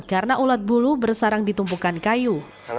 karena ulat bulu bersarang ditumpukan kayu